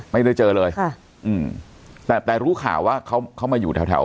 ไม่ได้เจอเลยค่ะอืมแต่แต่รู้ข่าวว่าเขาเขามาอยู่แถวแถว